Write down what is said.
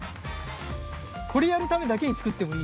これやるためだけに作ってもいい。